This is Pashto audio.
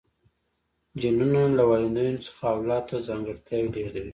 جینونه له والدینو څخه اولاد ته ځانګړتیاوې لیږدوي